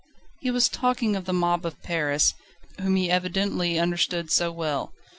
He was talking of the mob of Paris, whom he evidently understood so well.